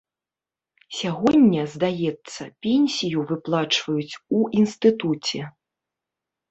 Сягоння, здаецца, пенсію выплачваюць у інстытуце.